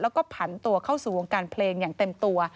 แล้วก็ผันตัวเข้าสู่วงการเพลงอย่างเต็มตัว